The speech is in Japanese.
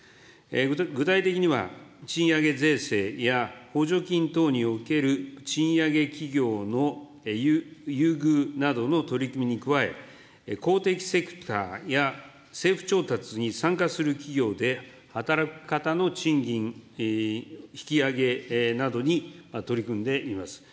具体的には、賃上げ税制や、補助金等における賃上げ企業の優遇などの取り組みに加え、公的セクターや政府調達に参加する企業で、働く方の賃金引き上げなどに取り組んでいます。